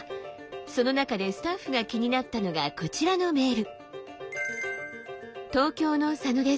その中でスタッフが気になったのがこちらのメール。